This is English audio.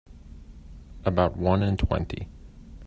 About one in twenty.